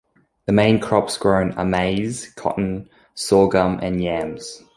The main crops grown are maize, cotton, sorghum, and yams.